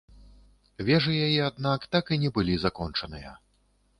Вежы яе, аднак, так і не былі закончаныя.